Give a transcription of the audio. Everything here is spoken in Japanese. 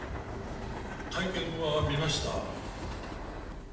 会見は見ました。